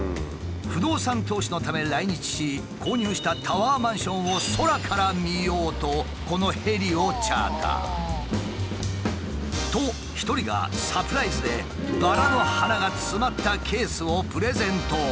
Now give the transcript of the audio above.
不動産投資のため来日し購入したタワーマンションを空から見ようとこのヘリをチャーター。と一人がサプライズでバラの花が詰まったケースをプレゼント。